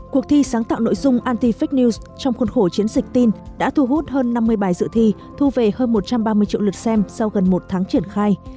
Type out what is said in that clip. cuộc thi sáng tạo nội dung antific news trong khuôn khổ chiến dịch tin đã thu hút hơn năm mươi bài dự thi thu về hơn một trăm ba mươi triệu lượt xem sau gần một tháng triển khai